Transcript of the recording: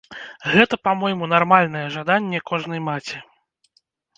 Гэта, па-мойму, нармальнае жаданне кожнай маці.